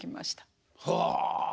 はあ！